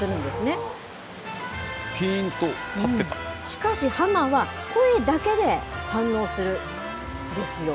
しかしハマは、声だけで反応するんですよ。